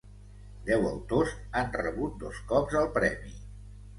Deu autors han rebut dos cops el premi.